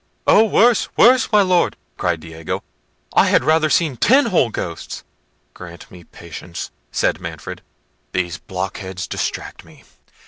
"Oh! worse! worse! my Lord," cried Diego: "I had rather have seen ten whole ghosts." "Grant me patience!" said Manfred; "these blockheads distract me.